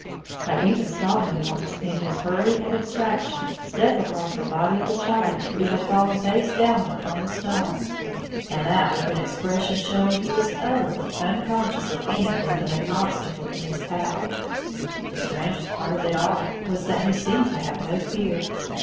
I even saw him once in his hurry and abstraction, step across the body of a child who had fallen face downward on the stones, and that with an expression showing he was utterly unconscious of anything but an obstacle in his path. The strangest part of it all was that he seemed to have no fear.